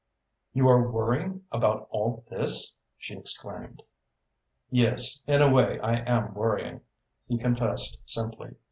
"You are worrying about all this!" she exclaimed. "Yes, in a way I am worrying," he confessed simply.